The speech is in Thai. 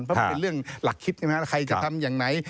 ถ้าเป็นเรื่องหลักคิดนะคะใครจะทำอย่างไหน